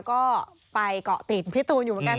ก็ไปเกาะติดพี่ตูนอยู่เหมือนกัน